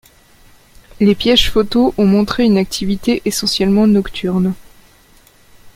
Les pièges photos ont montré une activité essentiellement nocturne.